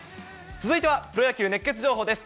続いてはプロ野球熱ケツ情報です。